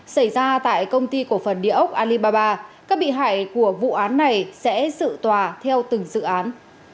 xảy ra tại công ty cổ phần địa ốc alibaba các bị hại của vụ án này sẽ sự tòa theo từng dự án